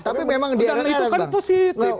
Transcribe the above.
tapi memang dia kan positif